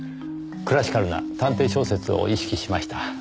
クラシカルな探偵小説を意識しました。